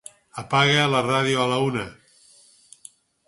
Apaga la ràdio a la una.